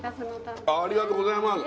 ありがとうございます